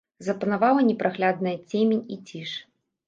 Запанавала непраглядная цемень і ціш.